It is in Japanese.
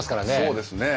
そうですね。